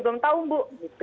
belum tahu bu